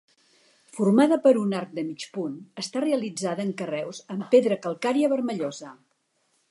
Formada per un arc de mig punt, està realitzada en carreus amb pedra calcària vermellosa.